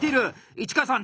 市川さん